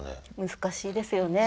難しいですよね。